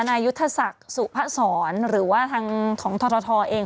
นายุทธศักดิ์สุพศรหรือว่าทางของทรทเอง